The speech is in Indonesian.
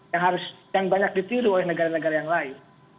yang harus yang banyak ditiru oleh negara negara yang lain